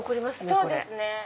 そうですね。